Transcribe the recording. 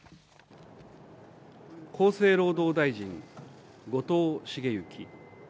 厚生労働大臣、後藤茂之。